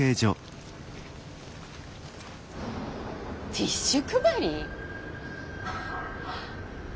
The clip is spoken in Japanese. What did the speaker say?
ティッシュ配り？